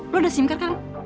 lo udah sim card kan